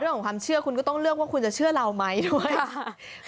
เรื่องของความเชื่อคุณก็ต้องเลือกว่าคุณจะเชื่อเราไหมด้วยค่ะ